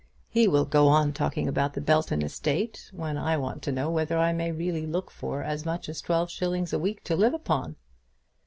He will go on talking about the Belton estate, when I want to know whether I may really look for as much as twelve shillings a week to live upon."